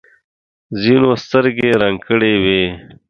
ځینو سترګې رنګ کړې وي.